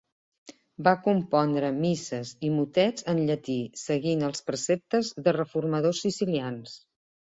Va compondre misses i motets en llatí, seguint els preceptes de reformadors sicilians.